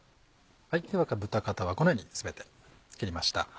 では豚肩はこのように全て切りました。